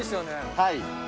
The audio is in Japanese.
はい。